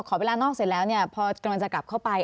เวลานอกเสร็จแล้วเนี่ยพอกำลังจะกลับเข้าไป